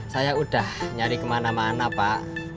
saya udah nyari kemana mana pak